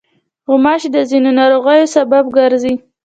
غوماشې د ځینو ناروغیو سبب ګرځي.